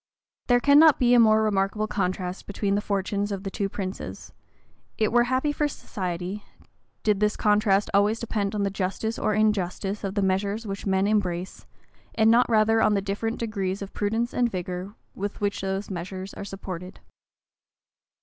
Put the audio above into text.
There cannot be a more remarkable contrast between the fortunes of two princes: it were happy for society, did this contrast always depend on the justice or injustice of the measures which men embrace; and not rather on the different degrees of prudence and vigor with which those measures are supported.